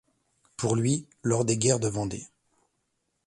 Pour lui, lors des guerres de Vendée.